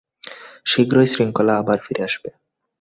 শীঘ্রই শৃঙ্খলা আবার ফিরে আসবে।